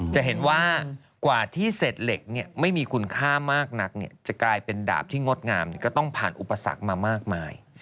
จะเห็นว่ากว่าที่เศษเหล็กไม่มีคุณค่ามากนักจะกลายเป็นดาบที่งดงามก็ต้องผ่านอุปสรรคมามากมาย